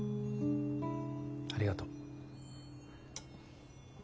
ありがとう。